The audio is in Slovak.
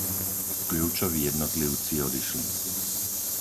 Kľúčoví jednotlivci odišli.